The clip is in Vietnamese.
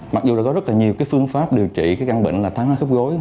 mặc dù có rất nhiều phương pháp điều trị căn bệnh là thai hóa khớp gối